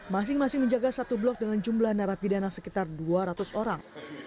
masing masing menjaga satu blok dengan jumlah narapidana sekitar dua ratus orang